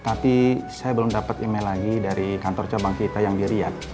tapi saya belum dapat email lagi dari kantor cabang kita yang di riyad